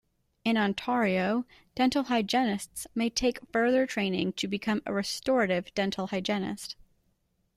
In Ontario, dental hygienists may take further training to become a restorative dental hygienist.